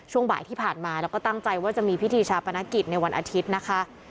ช่วงบ่ายที่ผ่านมาแล้วก็ตั้งใจว่าจะมีพิธีชาปนกิจในวันอาทิตย์นะคะ